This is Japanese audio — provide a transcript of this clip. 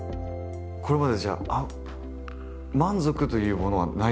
これまでじゃあ満足というものはないですか？